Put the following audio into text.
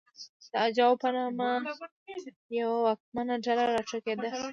د اجاو په نامه یوه واکمنه ډله راوټوکېده